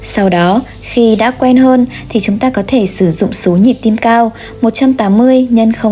sau đó khi đã quen hơn thì chúng ta có thể sử dụng số nhịp tim cao